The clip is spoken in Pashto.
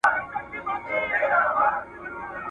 يا به څوك وي چا وهلي يا وژلي `